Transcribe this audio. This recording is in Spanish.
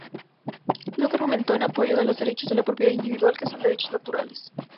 Locke argumentó en apoyo de los derechos de propiedad individual que son "derechos naturales".